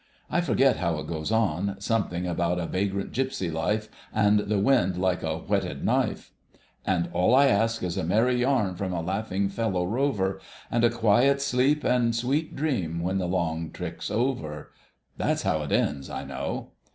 "I forget how it goes on: something about a 'vagrant gypsy life,' and the wind 'like a whetted knife'— "'And all I ask is a merry yarn from a laughing fellow rover, And a quiet sleep and a sweet dream when the long trick's over.' "That's how it ends, I know."